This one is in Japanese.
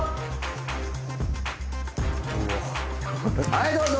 はいどうぞ。